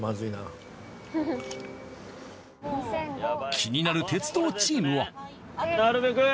気になる鉄道チームは。